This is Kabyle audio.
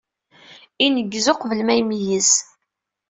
Ineggez uqbel ma imeyyez.